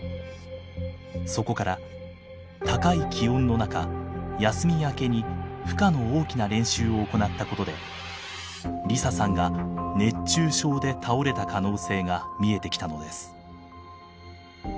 そこから高い気温の中休み明けに負荷の大きな練習を行ったことで梨沙さんが熱中症で倒れた可能性が見えてきたのです。